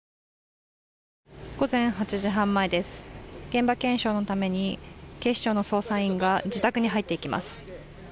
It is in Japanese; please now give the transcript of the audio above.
午前８時半前です、現場検証のために警視庁の捜査員が自宅に入っていきます。